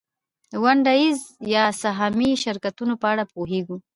د ونډه ایز یا سهامي شرکتونو په اړه پوهېږو